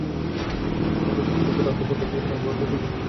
মুসলমানদের পক্ষ থেকে রাতে খন্দকে টহলরত সৈন্য সংখ্যা দ্বিগুণ করা হত।